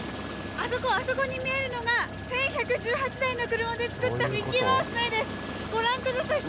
あそこあそこに見えるのが１１１８台の車で作ったミッキーマウスの絵ですご覧ください